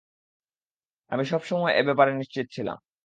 আমি সব সময় এ ব্যাপারে নিশ্চিত ছিলাম।